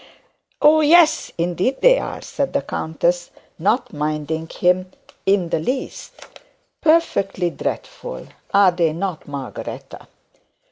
'Oh yes, indeed they are,' said the countess, not minding him in the least, 'perfectly dreadful; are they not, Margaretta?